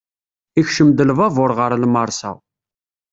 Ikcem-d lbabur ɣer lmersa.